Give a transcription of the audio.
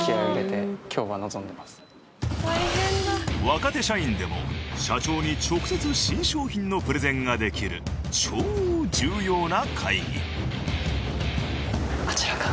若手社員でも社長に直接新商品のプレゼンができる超重要な会議。